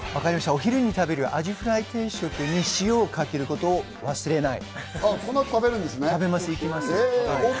お昼に食べるアジフライ定食に塩をかけることを忘れない。